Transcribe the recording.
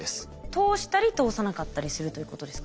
通したり通さなかったりするということですか？